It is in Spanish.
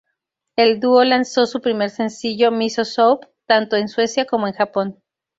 El dúo lanzó su primer sencillo, "Miso Soup", tanto en Suecia como en Japón.